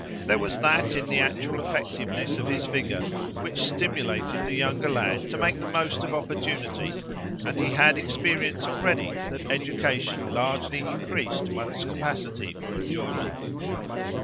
There was that in the actual effectiveness of his figure which stimulated the younger lad to make the most of opportunity; and he had experience already that education largely increased one's capacity for enjoyment.